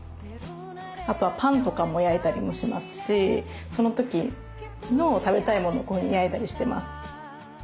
あとはパンとかも焼いたりもしますしその時の食べたいものをこういうふうに焼いたりしてます。